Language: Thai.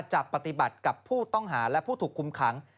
จะปฏิบัติกับพูดต้องหาและทุกขุมขัง